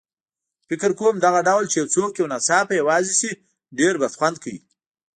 فکر کوم دغه ډول چې یو څوک یو ناڅاپه یوازې شي ډېر بدخوند کوي.